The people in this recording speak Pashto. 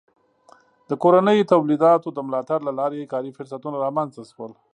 د کورنیو تولیداتو د ملاتړ له لارې کاري فرصتونه رامنځته سول.